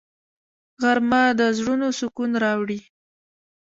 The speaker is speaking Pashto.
غرمه د زړونو سکون راوړي